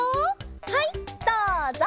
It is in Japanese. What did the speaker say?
はいどうぞ！